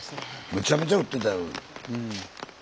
めちゃめちゃ降ってたよ。